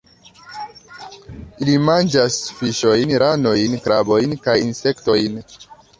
Ili manĝas fiŝojn, ranojn, krabojn kaj insektojn.